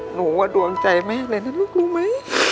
หนูว่าดวงใจมากเลยนะลูกรู้ไหม